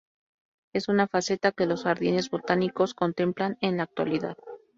Es una faceta que los jardines botánicos contemplan en la actualidad.